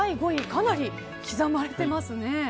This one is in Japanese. かなり刻まれてますね。